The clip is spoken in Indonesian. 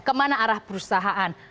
kemana arah perusahaan